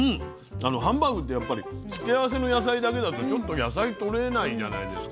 ハンバーグって付け合わせの野菜がないとちょっと野菜とれないじゃないですか。